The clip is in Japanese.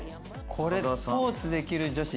「スポーツできる女子」